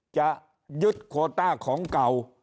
จะยึดโคต้าของเก่า